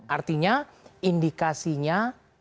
artinya indikasinya